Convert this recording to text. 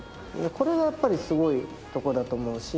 これがやっぱりすごいところだと思うし。